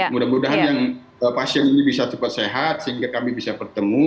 mudah mudahan yang pasien ini bisa cepat sehat sehingga kami bisa bertemu